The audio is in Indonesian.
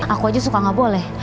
aku aja suka nggak boleh